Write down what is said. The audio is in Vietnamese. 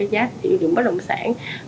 giá tiêu dụng bất động sản